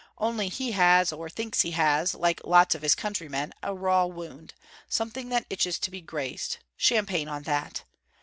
Only he has, or thinks he has, like lots of his countrymen, a raw wound something that itches to be grazed. Champagne on that!...